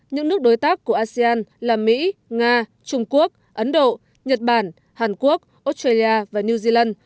những nước đối tác của asean là mỹ nga trung quốc ấn độ nhật bản hàn quốc australia và new zealand